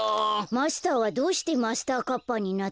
マスターはどうしてマスターカッパーになったの？